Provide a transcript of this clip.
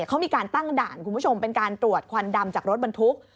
เขามีการตั้งด่านคุณผู้ชมเป็นการตรวจควันดำจากรถบรรทุก